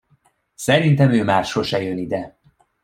Szerintem ő már sose jön ide.